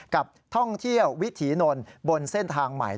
กับท่องเที่ยววิถีนนท์บนเส้นทางใหม่